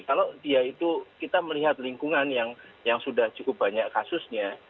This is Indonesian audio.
kalau dia itu kita melihat lingkungan yang sudah cukup banyak kasusnya